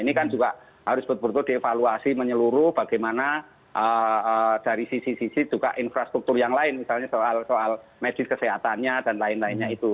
ini kan juga harus betul betul dievaluasi menyeluruh bagaimana dari sisi sisi juga infrastruktur yang lain misalnya soal soal medis kesehatannya dan lain lainnya itu